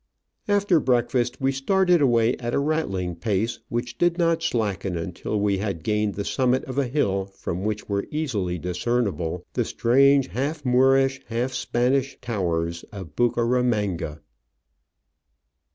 After breakfast we started away at a rattling pace, which did not slacken until we had gained the summit of a hill from which were easily discernible the strange half Moorish, half Spanish towers of Bucaramanga.